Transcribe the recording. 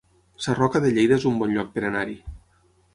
Sarroca de Lleida es un bon lloc per anar-hi